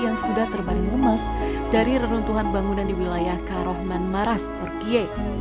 yang sudah terbaring lemas dari reruntuhan bangunan di wilayah karohman maras turkiye